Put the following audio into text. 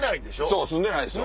そう住んでないんですよ。